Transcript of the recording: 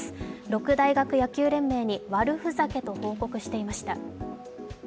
六大学野球連盟に、悪ふざけと報告していました。